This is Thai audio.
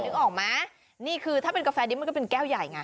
นึกออกไหมนี่คือถ้าเป็นกาแฟดิบมันก็เป็นแก้วใหญ่ไง